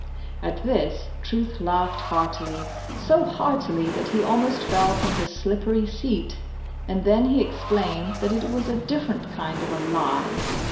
At this Truth laughed heartily, so heartily that he almost fell from his slippery seat, and then he explained that it was a different kind of a "lie."